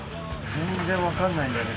全然わかんないんだよね